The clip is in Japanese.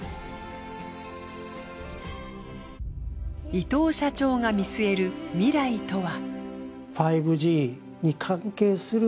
伊藤社長が見据える未来とは。